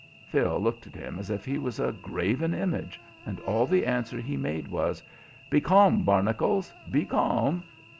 Phil looked at him as if he was a graven image, and all the answer he made was; "Be calm, Barnacles, be calm!"